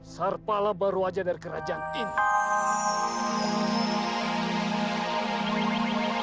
sarpalah baru saja dari kerajaan ini